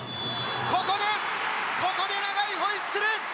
ここで、ここで長いホイッスル！